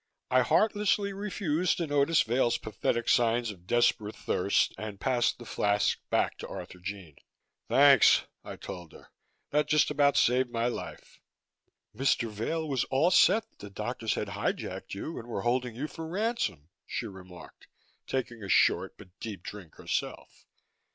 I heartlessly refused to notice Vail's pathetic signs of desperate thirst and passed the flask back to Arthurjean. "Thanks," I told her, "that just about saved my life." "Mr. Vail was all set that the doctors had hijacked you and were holding you for ransom," she remarked, taking a short but deep drink herself.